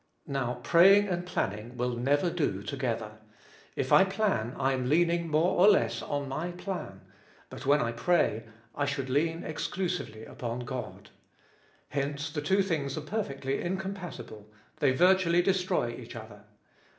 Now, praying and planning will never do together. If I plan, I am leaning more or less on my plan; but when I pray, I should lean exclusively upon God. Hence, the two things are perfectly incompatible; they virtually destroy each other.